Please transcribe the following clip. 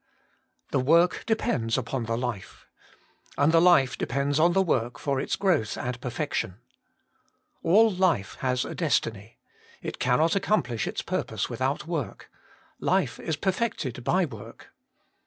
The work depends upon the life. And the Hfe depends on the work for its growth and perfection. All life has a destiny; it cannot accomplish its purpose without 38 Working for God work ; life is perfected by work.